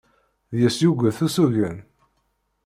Deg-s yuget usugen.